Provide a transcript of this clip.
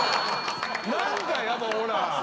何かやっぱほらな？